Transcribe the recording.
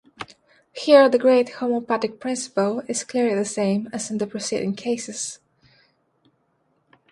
Here the great homeopathic principle is clearly the same as in the preceding cases.